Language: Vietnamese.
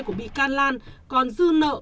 của mỹ lan còn dư nợ